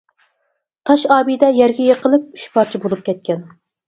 تاش ئابىدە يەرگە يىقىلىپ ئۈچ پارچە بولۇپ كەتكەن.